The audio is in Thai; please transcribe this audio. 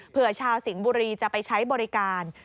เพื่อชาวสิงห์บุรีจะไปใช้บริการ